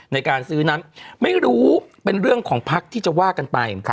ในการซื้อนั้นไม่รู้เป็นเรื่องของพักที่จะว่ากันไป